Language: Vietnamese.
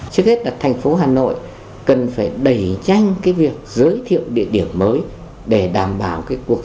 trước hết là thành phố hà nội cần phải đẩy nhanh cái việc giới thiệu địa điểm mới để đảm bảo cái cuộc sống